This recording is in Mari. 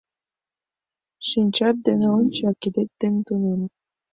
— Шинчат дене ончо, а кидет дене тунем...